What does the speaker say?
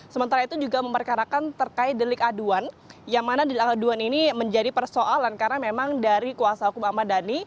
sementara itu juga memperkarakan terkait delik aduan yang mana aduan ini menjadi persoalan karena memang dari kuasa hukum ahmad dhani